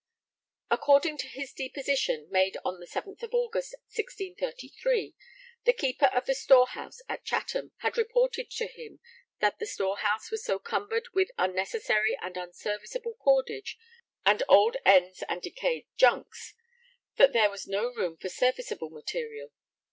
According to his deposition, made on 7th August 1633, the Keeper of the Storehouse at Chatham had reported to him that the storehouse was so cumbered with 'unnecessary and unserviceable cordage and old ends and decayed junks' that there was no room for serviceable material.